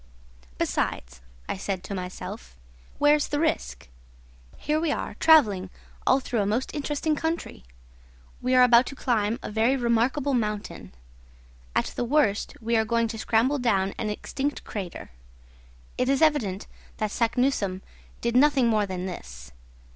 "Besides," I said to myself, "where's the risk? Here we are travelling all through a most interesting country! We are about to climb a very remarkable mountain; at the worst we are going to scramble down an extinct crater. It is evident that Saknussemm did nothing more than this.